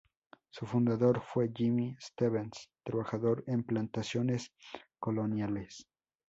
Su fundador fue Jimmy Stevens, trabajador en plantaciones coloniales.